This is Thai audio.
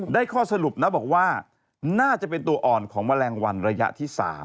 ข้อสรุปนะบอกว่าน่าจะเป็นตัวอ่อนของแมลงวันระยะที่๓